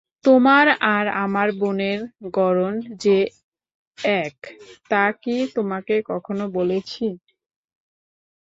তোমার আর আমার বোনের গড়ন যে এক, তা কি তোমাকে কখনো বলেছি?